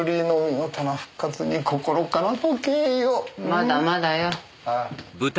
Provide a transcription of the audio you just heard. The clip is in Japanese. まだまだよ。